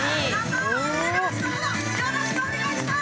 よろしくお願いします！